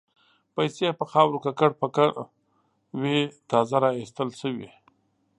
پیسې په خاورو ککړ پکر وې تازه را ایستل شوې.